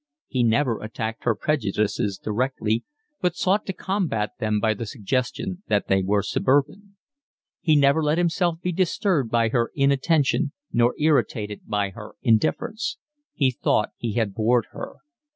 He never attacked her prejudices directly, but sought to combat them by the suggestion that they were suburban. He never let himself be disturbed by her inattention, nor irritated by her indifference. He thought he had bored her.